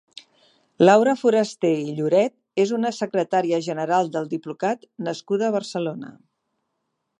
Laura Foraster i Lloret és una secretària general del Diplocat nascuda a Barcelona.